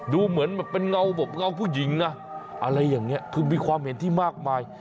ดูเหมือนแบบเป็นเงาแบบเงาผู้หญิงนะอะไรอย่างนี้คือมีความเห็นที่มากมาย